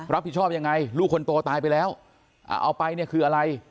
รับผิดชอบยังไงลูกคนโตตายไปแล้วเอาไปเนี่ยคืออะไร